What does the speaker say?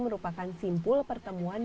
merupakan simpul pertemuan